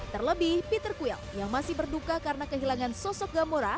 terlebih peter kuil yang masih berduka karena kehilangan sosok gamura